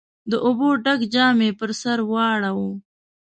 د اوبو ډک جام يې پر سر واړاوه.